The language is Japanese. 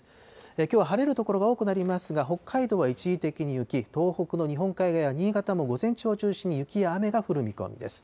きょうは晴れる所が多くなりますが、北海道は一時的に雪、東北の日本海側や新潟も午前中を中心に雪や雨が降る見込みです。